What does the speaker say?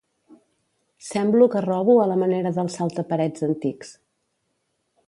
Semblo que robo a la manera dels salta-parets antics.